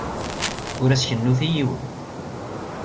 Ur as-kennut i yiwen.